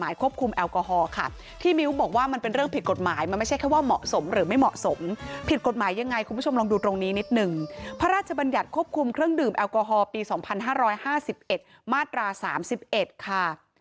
ยังไงคุณผู้ชมลองดูตรงนี้นิดหนึ่งพระราชบัญญัติควบคุมเครื่องดื่มแอลกอฮอล์ปีสองพันห้าร้อยห้าสิบเอ็ดมาตราสามสิบเอ็ดค่ะ